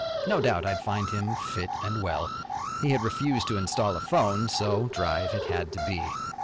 No doubt I'd find him fit and well. He had refused to install a phone, so drive it had to be.